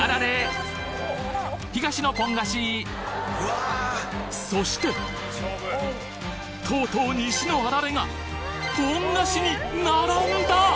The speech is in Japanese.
東のポン菓子そしてとうとう西のあられがポン菓子に並んだ！